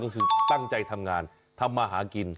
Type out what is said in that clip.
ก็คือตั้งใจทำงานทำมาหากิน